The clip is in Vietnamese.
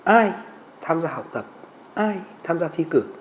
ai tham gia học tập ai tham gia thi cử